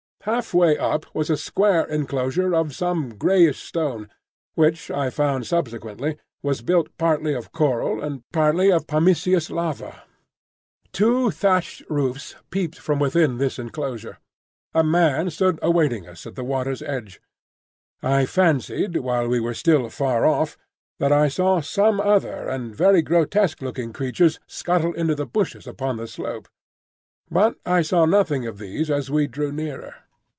Half way up was a square enclosure of some greyish stone, which I found subsequently was built partly of coral and partly of pumiceous lava. Two thatched roofs peeped from within this enclosure. A man stood awaiting us at the water's edge. I fancied while we were still far off that I saw some other and very grotesque looking creatures scuttle into the bushes upon the slope; but I saw nothing of these as we drew nearer.